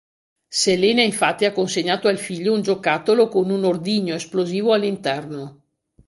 Selena infatti ha consegnato al figlio un giocattolo con un ordigno esplosivo all'interno.